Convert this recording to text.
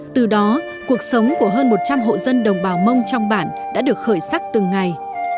từ đó cuộc sống của hơn một trăm linh hộ dân đồng bào mông trong bản đã được khởi sắc từng ngày